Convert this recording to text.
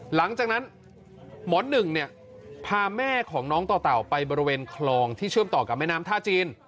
หลังจากนั้นหมอหนึ่งเนี่ยพาแม่ของน้องต่อเต่าไปบริเวณคลองที่เชื่อมต่อกับแม่น้ำท่าจีน